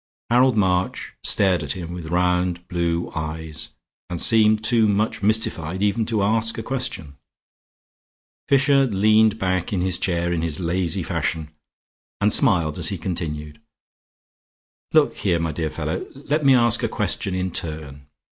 Harold March stared at him with round blue eyes, and seemed too much mystified even to ask a question. Fisher leaned back in his chair in his lazy fashion, and smiled as he continued. "Look here, my dear fellow. Let me ask a question in turn.